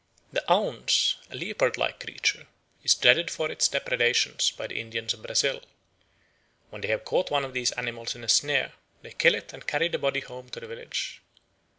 The ounce, a leopard like creature, is dreaded for its depredations by the Indians of Brazil. When they have caught one of these animals in a snare, they kill it and carry the body home to the village.